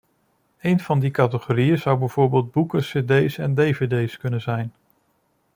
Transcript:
Een van die categorieën zou bijvoorbeeld boeken, cd's en dvd's kunnen zijn.